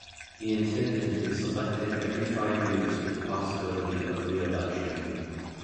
The Intendant is elected every five years with the possibility of reelection.